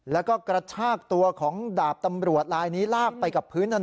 แล้วก็กระชากตัวของดาบตำรวจลายนี้ลากไปกับพื้นถนน